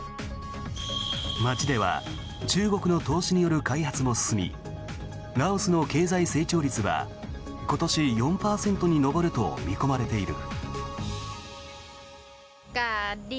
街では中国の投資による開発も進みラオスの経済成長率は、今年４％に上ると見込まれている。